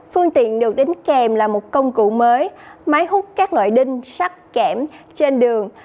phương tiện được đánh kèm là một công cụ mới máy hút các loại đinh sắt kẻm trên đường